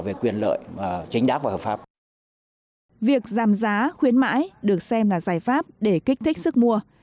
việc giảm giá khuyến mãi được xem là giải pháp để kích thích sức mua